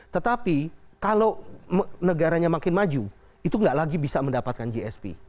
tetapi kalau negaranya makin maju itu nggak lagi bisa mendapatkan gsp